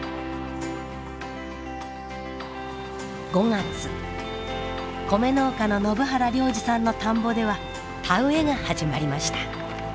５月米農家の延原良治さんの田んぼでは田植えが始まりました。